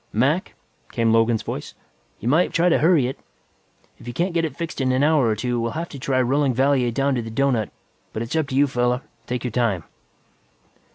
"Mac," came Logan's voice, "you might try to hurry it. If you can't get it fixed in an hour or two, we'll have to try rolling Valier down to the doughnut. But it's up to you, fella. Take your time."